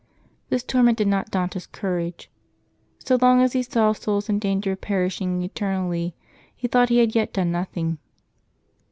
This torment did not daunt his courage. So long as he saw souls in danger of perishing eternally, he thought he had yet done nothing.